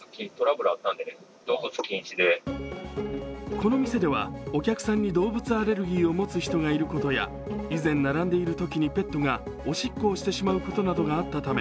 この店ではお客さんに動物アレルギーを持つ人がいることや以前、並んでいるときにペットがおしっこをしてしまうことなどがあったため